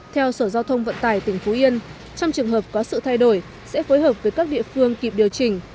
theo sở giao thông vận tải tỉnh phú yên trong trường hợp có sự thay đổi sẽ phối hợp với các địa phương kịp điều chỉnh